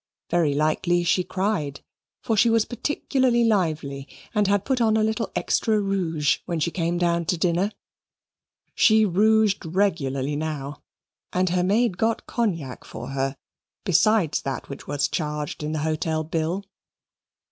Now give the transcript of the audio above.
Very likely she cried, for she was particularly lively, and had put on a little extra rouge, when she came down to dinner. She rouged regularly now; and and her maid got Cognac for her besides that which was charged in the hotel bill.